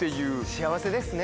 幸せですね。